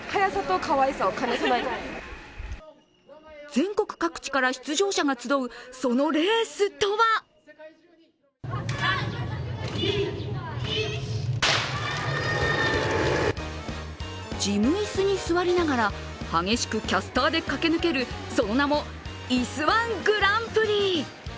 全国各地から出場者が集うそのレースとは事務椅子に座りながら激しくキャスターで駆け抜ける、その名も、いす−１グランプリ。